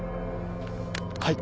はい。